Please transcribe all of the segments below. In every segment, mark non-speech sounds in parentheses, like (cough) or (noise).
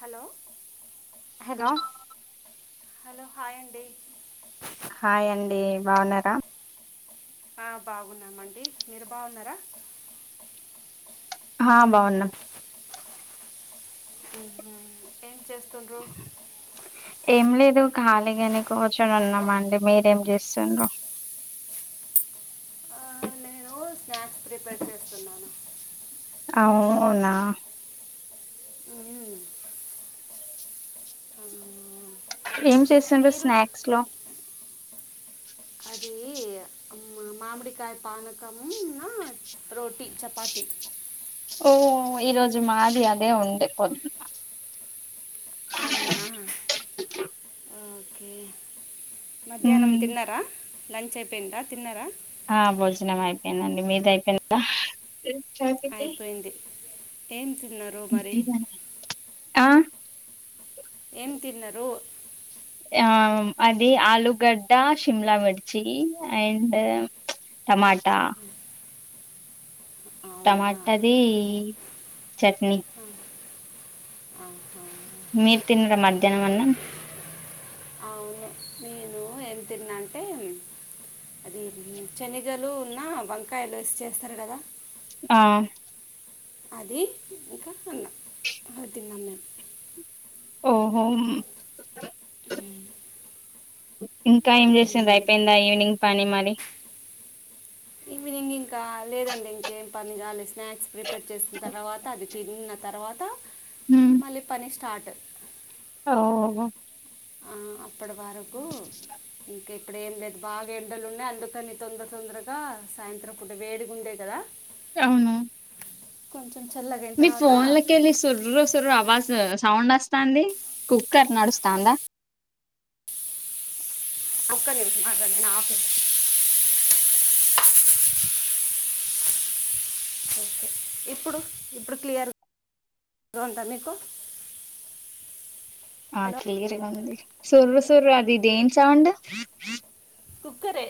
Hello hello hello hi అండి hi అండి బాగున్నారా ఆ బాగున్నామండి మీరు బాగున్నారా ఆ బాగున్నాం ఏం చేస్త ఏం లేదు ఖాలీగానే కూర్చొని ఉన్నామండీ మీరేం చేస్తున్ర్రు ఆ నేను స్నాక్స్ ప్రిపేర్ చేస్తున్నాను అవునా ఉ ఏం చేస్తుండ్ర స్నాక్స్ లో అది మ్ మామిడికాయ పనకమం నా రోటీ చపాతి ఓ ఈరోజు మాది అదే ఉండే పొద్దు అవునా ఓకే మధ్యాహ్నం తిన్నారా లంచ్ అయిపోయిందా తిన్నారా ఆ భోజనం అయిపోయిందండి మీద అయిపోయింద అయిపోయింది ఏం తిన్నారు మరి ఆ ఏం తిన్నరు ఆ అది ఆలూగడ్డ శిమలా మిర్చి అండ్ టమాటా అవునా టమాటది చట్నీ ఆహా. మీరు తిన్నరా మధ్యాహ్నం అన్నం అవును నేను ఏం తిన్నా అంటే అది శనగలు ఉన్నా వంకాయలు వేసి చేస్తారు కదా ఆ అది ఇంకా అన్నా తిన్నాం మేము ఓహో ఇంకా ఏం చేసిర్రు మ్మ్. అయిపోయిందా ఈవినింగ్ పని మరి ఈవినింగ్ ఇంకా లేదండి ఇంకేం పని కాలి స్నాక్స్ ప్రిపేర్ చేసిన తర్వాత అది తిన్న తర్వాత మళ్ళీ పని స్టార్ట్ ఓహో ఆ అప్పటి వరకు స ఇంకా ఇప్పుడు ఏం లేదు బాగా ఎండలు ఉన్నాయి అందుకని తొందర తొందరగా సాయంత్రం పుటా వేడిగా ఉంటాయి కదా అవును కొం మీ ఫోన్ లోకేళి సోరో సోరో అవా సౌండ్ వస్తాంది కుక్కర్ నడుస్తాందా ఒక్క నిమిషం ఆగండి ఓకే ఇప్పుడు ఇప్పుడు క్లియర్ గా ఉందా మీకూ ఆ క్లియర్గా ఉంది సుర సుర అది ఇదేం సౌండ్ కుక్కరే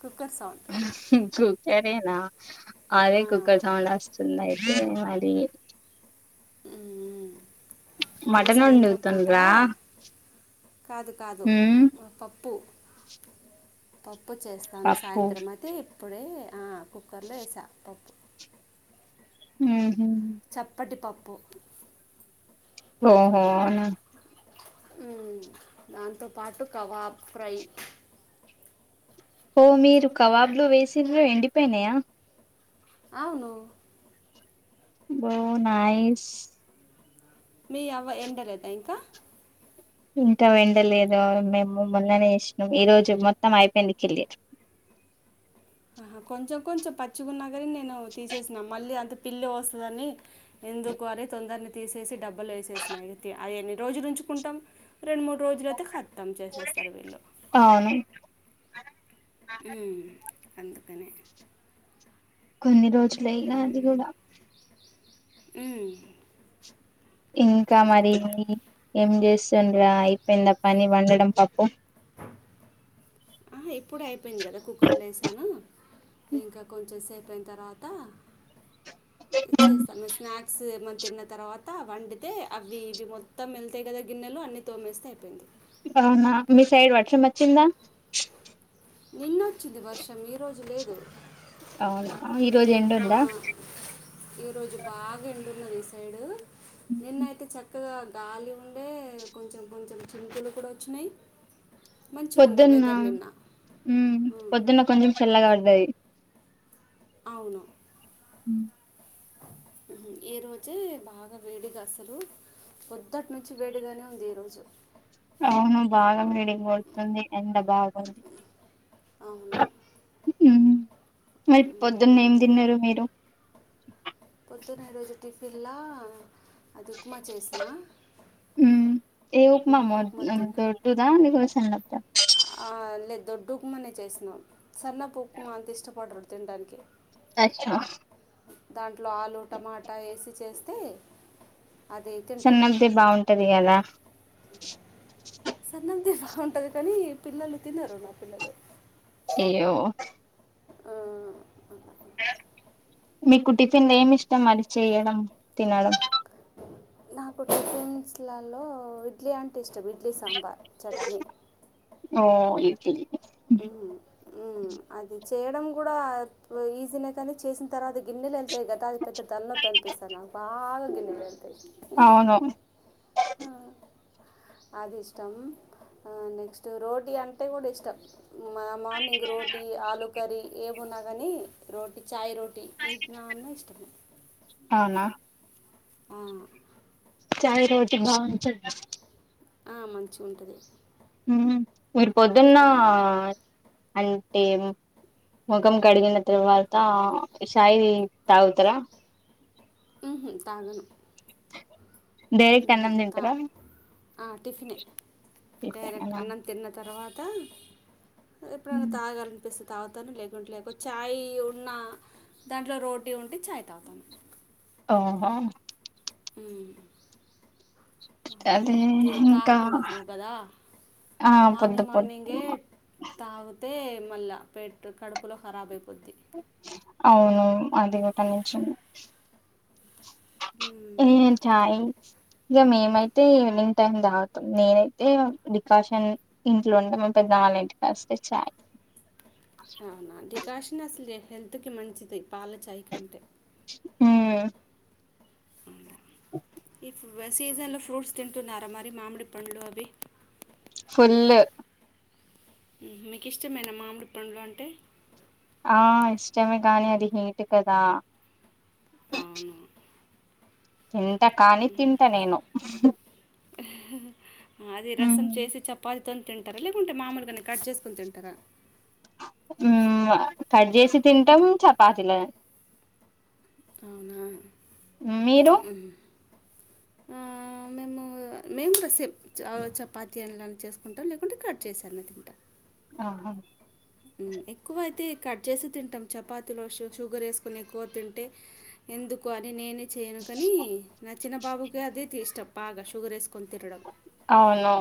కుక్కర్ సౌండ్ అదేనా ఆ, అదే కుక్క సౌండ్ వస్తుంది అయితే మరి మ్మ్. ఇప్పుడు మటన్ సాయంత్రం పూట వండుతునరా కాదు కాదు పప్పు పప్పు చేస్తాను పప్పు సాయంత్రం అతే ఇప్పుడే ఆ కుక్కర్లో వేసా పప్పు హ చప్పటిపప్పు ఓహోనా దాంతో పాటు కబాబ్ ఫ్రై ఓ మీరు కవాబ్ లో వేసిరో ఎండిపోయినాయా అవును బో నయిస్ మీ అవ్వ ఎండలదా ఇంకా ఇంకా విండలేదు మేము మొన్ననే ఇసినాం ఈ రోజు మొత్తం అయిపోయింది కెళ్ళి ఆహా కొంచెం కొంచెం పచ్చిగున్నా కాని నేను తీసేసినాను మళ్ళీ అంత పిల్లో వస్తుందని ఎందుకు అని తొందరని తీసేసి డబ్బలు వేసేసినయి అన్ని రోజు నుంచి చుకుంటాం రెండు మూడు రోజులుయితే కత్తాం చేసేస్తారు వీళ్ళు అవును ఉమ్ అందుకనే కొన్ని రోజులు ఇగా అది కూడా ఉమ్మ్ ఇంకా మరి ఏం చేస్తుండరా అయిపోయింద పని వండడం పప్పు ఆ ఇప్పుడే అయిపోయింది కదా కుక్కర్లు వేసిన ఇంకా కొంచెం సేపు అయిన తర్వాత ఇచ్చేస్తాం స్నాక్ మ తిన్న తర్వాత వండితే అవి ఇవి మొత్తం వెళ్తాయి కదా గిన్నెలు అన్నీ తోమేస్తే అయిపోయింది అవునా మీ సైడ్ వర్షం వచ్చిందా నిన్నొచ్చిది వర్షం ఈరోజు లేదు ఆ ఈరోజు ఎండ ఆ, ఉందా సైడు నిన్నయితే చక్క ఇక్కగా గాలి ఉండే కొంచెం కొంచెం చినుకులు కూడా వచ్చినాయి మంచి ఉండే వెదర్ నిన్న ఉ ఉమ్, పొద్దున్న కొంచం చల్లగా పడిది అవును హ ఈ రోజే బాగా వేడిగా అసలు పొద్దుటి నుంచి వేడిగానే ఉంది ఈ రోజు అవును బాగా వేడీ కొడుతుంది ఎండ బాగుంది అవును ఉ మరి పొద్దున్న ఉమ్, ఏం అదే తిన్నారు మీరు పోదున్న ఈ రోజు టిఫిన్లా అది ఉప్మా చేసిన ఏం ఉమ్, ఉప్మా తిన్నా దొడ్డుదా లేకపోతే సన్నందా లేదు దొడ్డు ఉప్మానే చేసినా సన్నపు ఉప్మా అంత ఇష్టపడడు తినడానికి అచ్చా దాంట్లో ఆలు టమాటా వేసి చేస్తే అది తింటారు సన్నపది బాగుంటది కదా సన్నందీ బాగుంటది కానీ పిల్లలు తినరు నా పిల్లలు అయ్యో ఆ, అలా. మీకు టిఫిన్ ఏమి ఇష్టం మరి చేయడం తినడం నాకు టీఫెన్స్లాల్లో ఇడ్లీ అంటే ఇష్టం ఇడ్లీ సాంబార్ చట్నీ ఓ ఇతే ఉమ్ అది చేయడం కూడా ఈజనే కానీ చేసిన తర్వాత గిన్నెలు వెళ్తాయి కదా అది పెద్ద తలనొప్పి పస్తాల బాగా గినేలు అవును ఆ అది ఇష్టం నెక్స్ట్ రోటీ అంటే కూడా ఇష్టం మా మార్నింగ్ రోటీ ఆలు కర్రీ ఏమున్నా కాని రోటీ చాయ్ రోటీ ఈ నన్న ఇష్టం అవునా ఆ చాయ రోటీ బాగుంటదా ఆ మంచి ఉంటది మీరు పొద్దున్న ఆ ముఖం కడిగిన తర్వాత చాయ్ తాగుతార ఉహు తాగను డైరెక్ట్ అన్నం తింటారా టిఫిన్ డైరెక్ట్ టిఫినా అన్నం తిన్న తర్వాత టా ఎప్పుడన్నా తాగాలనిపిస్తే తాగుతాను లేకుంటే లేక చాయ్ ఉన్న దాంట్లో రోటీ ఉంటే చాయ్ తాగుతాను ఓహ అహ అదే ఇంకా కదా ఆ పొద్దు మార్నింగ్ పొద్దు మార్నింగే తాగితే మళ్ళా పెట్ కడుపులో ఖరాబ్ అయితది అవును అది ఒక నుంచి ఏంటయి ఇక మేమైతే ఈవినింగ్ టైమ్ తాగుతాం నేనైతే రికాషన్ ఇంట్లో ఉంటే మా పెద్ద వాళ్ళ ఇంటికి వస్తే చాయ్ అవునా డికాషన్ అసలు హెల్త్ కి మంచిది పాలచాయ్ కంటే మ్ అంట ఇప్పుడు సీజన్లో ఫ్రూట్స్ తింటున్నారా మరి మామిడి పండ్లు అవి ఫుల్ మీకు ఇష్టమైన మామిడి పండ్లు అంటే ఆ ఇష్టమే కానీ అది హీట్ కదా అవును తింట కానీ తింట నేను అది రసం ఉమ్, చేసి చపత్ తింటారా లేకుంటే మామూలుగాని కట్ చేసుకుని తింటారా మ్ కట్ చేేసి తింటాం చపాతిీల అవునా మీరు మ్ హు ఆ మేము మేము కూడా సేమ్ చపాతీ అని చేసుకుంటాం లేకుంటే కట్ చేసా తింటా ఆహా ఎక్కువ అయితే కట్ చేసి తింటాం చపాతీలు వ షుగర్ వేసుకొని ఎక్కువ తింటే ఎందుకు అని నేనే చేయను కానీ నా చిన్న బాబుకి అదే ఇష్టం బాగా షుగర్ వేసుకొని తినడం అవును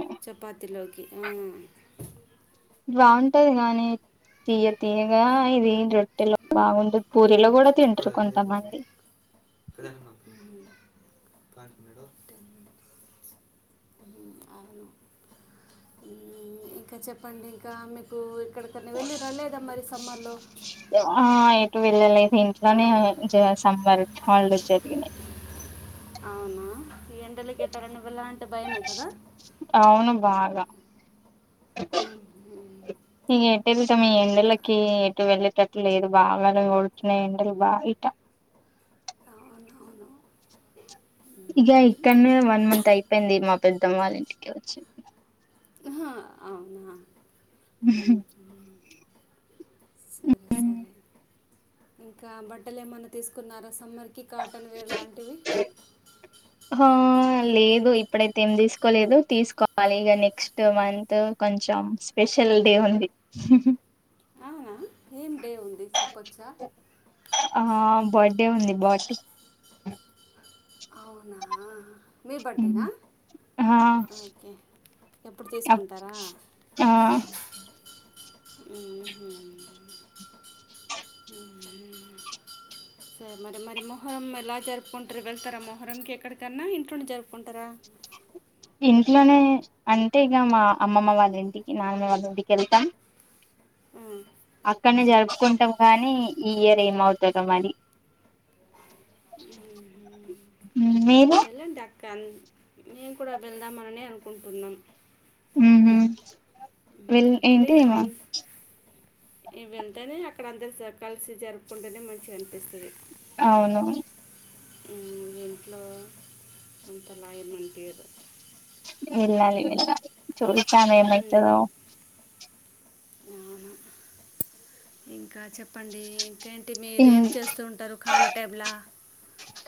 మ్ బాగుంటది గాని తీయ్య తీయగా ఇది రొట్టెలో బాగుంటది పూ పడాలదు ప్రధాన పాఠ మేడ ఇంకా చెప్పండి ఇంకా మీకు ఇక్కడికన్నా వే ళ్ళి రాలేదా మరి సమ్మర్ లో ఆ ఎటు వెళ్ళలెద్ ఇంట్లోనే సంబర్ హాల్డేస్ జరిగినాయి అవునా ఈ ఎండలకి (unintelligible) కదా! అవును బాగా హుహు. ఇగ ఈటెల్తామ్ ఈ అవును. ఎండలకి ఏటు వెళ్ళే టట్ లేదు బాగానే కోడుతున్నాయ్ ఎండలు బయట అవునవును ఇగ ఇక్కన్నే వన్ మంత్ అయిపోయింది మా పెద్దమ్మ వాళ్ళ ఇంటికోచ్చి అహ అవున మ్ సరే సరే ఇంకా బట్టలు ఏమైన్నా తీసుకున్నారా సమ్మర్ కి కాటన్ వేర్ లాంటివి ఆ లేదు ఇప్పుడైతే ఏం తీసుకోలేదు తీసుకోవాలి ఇగ నెక్స్ట్ మంత్ కొంచెం స్పెషల్ డే ఉంది అవునా ఏం డే ఉంది చెప్పొచ్చా ఆ బర్త్డే ఉంది బటి అవునా మీ బర్త్డేనా ఓకే ఎప్పుడు అం తీసుకుంటారా ఆ మ్ హు సరే మరి మరి మొహరం ఎలా జరుపుకుంటారు వెళ్తారా మొహరంకి ఎక్కడికన్నా ఇంట్లుండి జరుపుకుంటారా ఇంట్లోనే అంటే ఇగ మా అమ్మమ్మ వాళ్ళ ఇంటికి నానమ్మ వాళ్ళ ఇంటికి వెళ్తాం మ్ అక్కడనే జరుపుకుంటాం కానీ ఈ ఇయర్ ఏమవుతదో మరి మీరు ఎలాన్ దక్కన్ మేము కూడా వెళ్దామనిని అనుకుంటున్నాం. ఉహు ఉమ్, వెల్ ఇక్కడే ఏంటి ఏమ మా ఇన్ ఇవి వెళ్తేనే అక్కడ అందరు స కలిసి జరుపుకుంటూనే మంచిగా అనిపిస్తది. అవును మ్ ఇంట్లో కొంతలాగమనింటరు వెళ్ళాలి ఇంగ చూద్దాం ఏమైతదో అవున ఇంకా చెప్పండి ఇంకేంటి మీరు ఏం చేస్తూ ఉంటారు ఖాళీ టైమ్లా?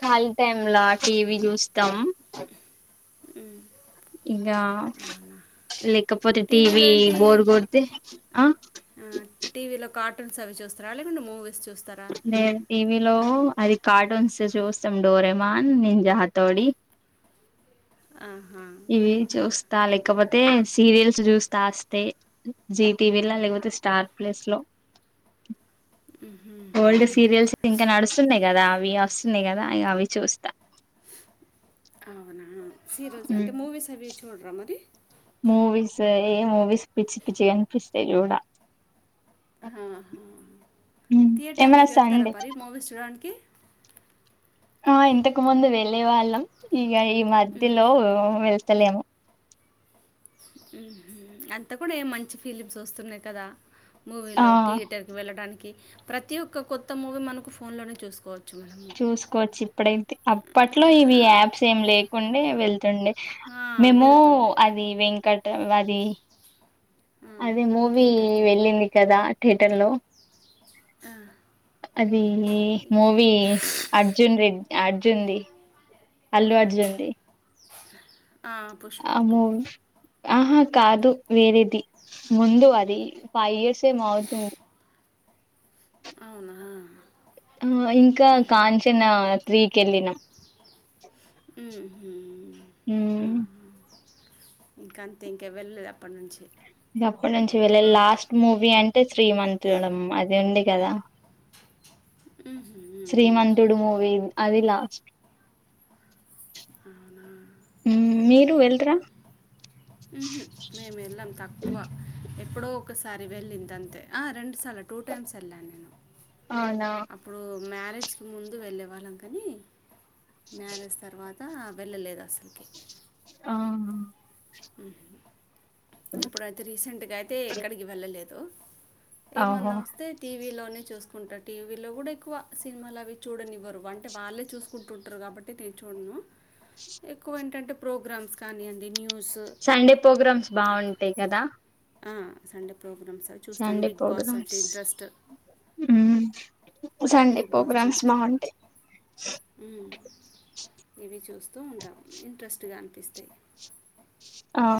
ఖాళీ టైమ్లా టీవీ చూస్తాం ఉ ఇంగా లేకపోతే టీవీలో టీవి ఏంటి బోర్ కొడితే ఆ కార్టున్స్ అవి చూస్తారా లేకుంటే మూవీ నేను టీవీలో అది కార్టూన్స్ ఏ చూస్తాం డోరెమాన్, నింజాహటోడి ఆహా ఇవి చూస్ త లేకపోతే సీరియల్స్ చూస్తా తాస్తే జీటివలా లేకపోతే స్టార్ ప్లేస్ లో ఉహుహు. ఓల్డ్ సీరియల్స్ ఇంకా నడుస్తున్నాయి గదా అవి వస్తున్నాయి కదా అవి చూస్తా. అవునా సీరియల్స్ అంటే మూవీస్ అవి చూడరా మరి? మూవీస్ ఆ ఏ మూవీస్ పిచ్చి పిచ్చి కనిపిస్తే చూడా హ థియేటర్ ఏమైనా లకి వెళ్తారా సండే మరి మూవీస్ చూ ఓకే ఆ ఇంతకు ముందు వెళ్ళే వాళ్ళం ఇగ ఈ మధ్యలో వో వె తలేము ఉహు అంతా కూడా ఏ మంచి ఫీలింగ్స్ వస్తున్నాయి కదా ఆ మూవీలో థియేటర్కి వెళ్ళడానికి ప్రతి ఒక్క కొత్త మూవీ మనకు ఫోన్లోనే చూసుకో చూసుకోవచ్చు ఇప్పుడైతే అప్పట్లో ఇవి ఆ, యాప్స్ ఏం లేకుండే, వెళ్తుండే ఆ, మేము వెళ్తుండే అది వెంకటం అది మ్మ్. అది మూవీ థియేటర్కి వెళ్ళింది కదా థియటర్ లో? ఆ, అది మూవీ అర్జున్ రెడ్డి అర్జున్ది అల్లు అర్జుంది అహ అ మూవీ ఆహా కాదు వేరేది ముందు అది ఫైవ్ ఇయర్స్ ఏమవుతుంది అవునా ఆ ఇంకా కాంచనా త్రీకి వెళ్ళినాం. ఉహు ఉమ్, ఆహ ఇంక అంతే ఇంకా వెళ్ళదు అప్పటి నుంచి ఇకప్పటి నుంచి వెళ్ళే లాస్ట్ మూవీ అంటే శ్రీ మంత్డం అది ఉంది కదా. ఉహ శ్రీమంతుడు మూవీ అది లాస్ట్ ఊ మీరు వెళ్తరా? ఉహు మేము ఎల్లం తక్కువ ఏ ఎప్పుడో ఒకసారి వెళ్ళింది అంతే ఆ రెండుసార్లు టూ టైమ్స్ వెళ్ళాను నేను. అవునా అప్పుడూ మ్యారేజ్కి ముందు వెళ్ళే వాళ్ళం కనీ మ్యారేజ్ తర్వాత వెళ్ళలేద్ అసల్కి అవునా ఇప్పుడైతే రీసెంట్గా అయితే ఎక్కడికి వెళ్ళలేద్ ఏమన్న ఓహో వస్తే టీ వీలోనే చూస్కుంటా టీవీలో గుడ ఎక్కువ సినిమాల్ అవి చూడనివ్వరు. అంటే వాళ్ళే చూస్కుంటుంటరు కాబట్ టి నేన్ చూడ్ను ఎక్కువ ఏంటంటే ప్రోగ్రామ్స్ కానీయండి న్యూస్ సండే ప్రోగ్రామ్స్ బాగుంటయి కదా? ఆ సండే ప్రోగ్రామ్స్ అవి చూస్తాన్ సండే బిగ్ బాస్ అంటే ప్రోగ్రామ్స్ ఇంట్రెస్ట్ ఉమ్, సండే ప్రోగ్రామ్స్ బాగుంటయి. మ్ ఇవి చూస్తూ ఉంటాం ఇంట్రెస్ట్గా అం పిస్తే ఆ